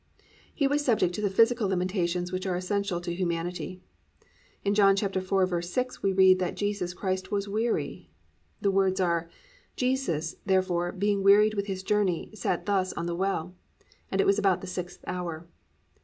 1. He was subject to the physical limitations which are essential to humanity. In John 4:6 we read that Jesus Christ was weary. The words are +"Jesus, therefore, being wearied with his journey, sat thus on the well: and it was about the sixth hour."